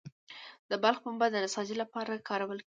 د بلخ پنبه د نساجي لپاره کارول کیږي